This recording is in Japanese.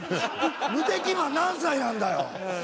無敵マン何歳なんだよ。